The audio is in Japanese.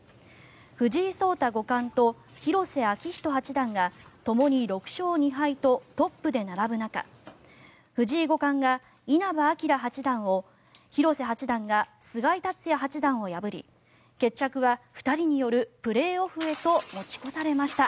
藤井五冠と広瀬章人八段がともに６勝２敗とトップで並ぶ中藤井五冠が稲葉陽八段を広瀬八段が菅井竜也八段を破り決着は２人によるプレーオフへと持ち越されました。